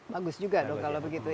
bagus juga dong kalau begitu ya